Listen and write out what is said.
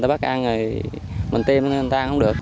vài ngày là người ta bắt ăn mình tiêm người ta ăn không được